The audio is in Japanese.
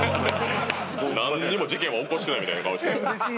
なんにも事件は起こしてないみたいな顔して。